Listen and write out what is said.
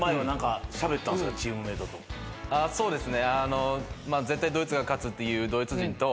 そうですね。